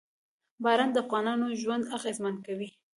باران د افغانانو ژوند اغېزمن کوي.